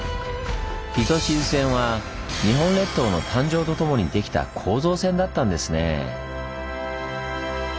糸静線は日本列島の誕生とともにできた構造線だったんですね。